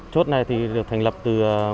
chốt này thì được thành lập từ